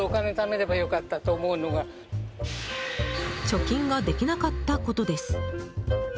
貯金ができなかったことです。